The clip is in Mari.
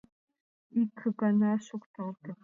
Ик гана шокталте.